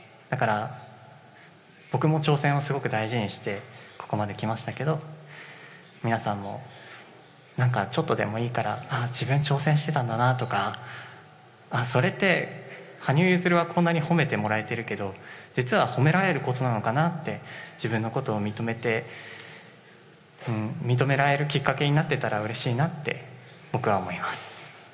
だから僕も挑戦はすごく大事にしてここまできましたけども皆さんも何かちょっとでもいいから自分、挑戦してたんだなとかそれって羽生結弦はこんなにほめてもらえているけど実は褒められることなのかなって自分のことを認められるきっかけになってたらうれしいなって僕は思います。